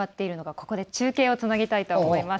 ここで中継をつなげたいと思います。